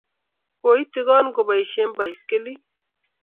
Koitigon kopaishe baiskelit